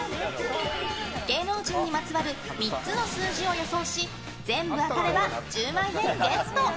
芸能人にまつわる３つの数字を予想し全部当たれば１０万円ゲット！